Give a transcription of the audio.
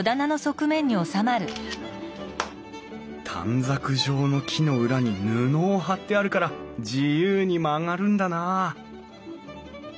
あ短冊状の木の裏に布を貼ってあるから自由に曲がるんだなあ